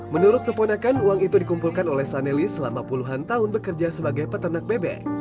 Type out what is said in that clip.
menurut keponakan uang itu dikumpulkan oleh sanelis selama puluhan tahun bekerja sebagai peternak bebek